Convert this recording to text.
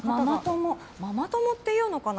ママ友っていうのかな。